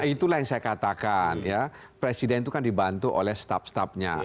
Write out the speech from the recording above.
itulah yang saya katakan ya presiden itu kan dibantu oleh staf stafnya